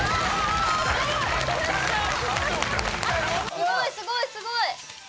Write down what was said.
すごいすごいすごい！